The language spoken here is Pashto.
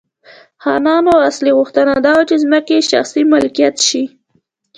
خانانو اصلي غوښتنه دا وه چې ځمکې یې شخصي ملکیت شي.